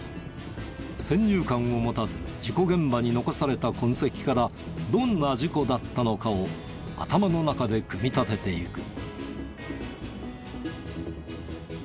先入観を持たず事故現場に残された痕跡からどんな事故だったのかを頭の中で組み立てていく。